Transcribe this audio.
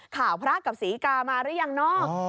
พระกับศรีกามาหรือยังเนาะ